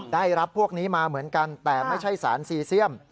ได้รับพวกนี้มาเหมือนกันแต่ไม่ใช่สารซีเซียม